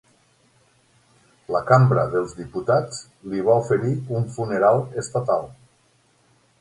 La Cambra dels Diputats li va oferir un funeral estatal.